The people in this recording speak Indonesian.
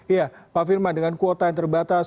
iya pak firman dengan kuota yang terbatas